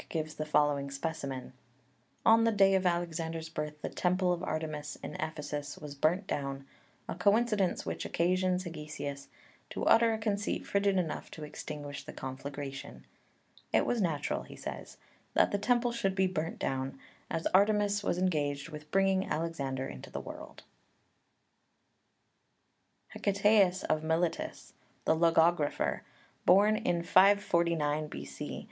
3) gives the following specimen: "On the day of Alexander's birth the temple of Artemis in Ephesus was burnt down, a coincidence which occasions Hegesias to utter a conceit frigid enough to extinguish the conflagration. 'It was natural,' he says, 'that the temple should be burnt down, as Artemis was engaged with bringing Alexander into the world'" (Pauly, with the references). HEKATAEUS of Miletus, the logographer; born in 549 B.C.